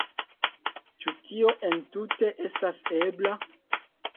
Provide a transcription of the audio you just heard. Ĉu tio entute estas ebla?